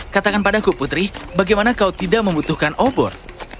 katakan padaku putri bagaimana kau tidak membutuhkan opor